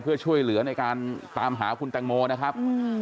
เพื่อช่วยเหลือในการตามหาคุณแตงโมนะครับ